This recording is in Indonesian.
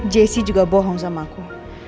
jesse juga bohong sama aku